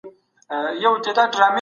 شپه چې سر په بالښت ږدئ فکر وکړئ.